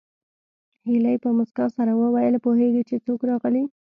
هيلې په مسکا سره وویل پوهېږې چې څوک راغلي